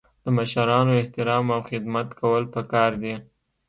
د مشرانو احترام او خدمت کول پکار دي.